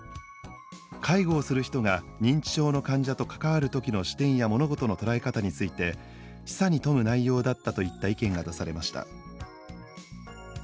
「介護をする人が認知症の患者と関わる時の視点や物事の捉え方について示唆に富む内容だった」といった意見が出されました。